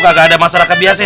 kagak ada masyarakat biasa